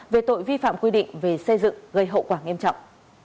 về tội vi phạm quy định về xây dựng gây hậu quả nghiêm trọng